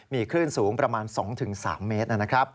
มีคลื่นสูงประมาณ๒๓เมตรนะครับ